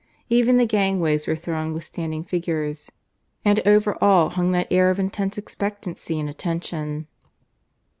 Even the gangways were thronged with standing figures. And over all hung that air of intense expectancy and attention.